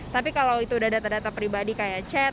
tapi kalau itu udah data data pribadi kayak chat